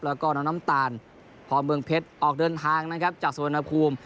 แล้วก็น้องน้ำตาลพอเมืองเพชรออกเดินทางนะครับจากสุวรรณภูมิ